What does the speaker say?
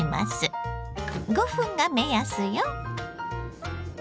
５分が目安よ。